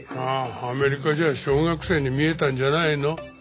アメリカじゃ小学生に見えたんじゃないの？